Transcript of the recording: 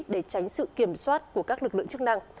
để tránh sự kiểm soát của các lực lượng chức năng